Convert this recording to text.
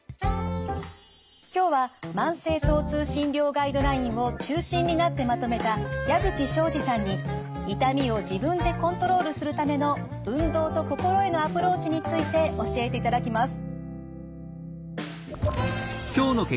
今日は慢性疼痛診療ガイドラインを中心になってまとめた矢吹省司さんに痛みを自分でコントロールするための運動と心へのアプローチについて教えていただきます。